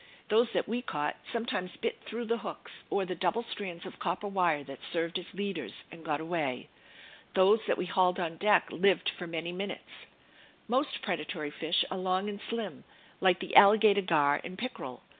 Those that we caught sometimes bit through the hooks, or the double strands of copper wire that served as leaders, and got away. Those that we hauled on deck lived for many minutes. Most predatory fish are long and slim, like the alligator gar and pickerel.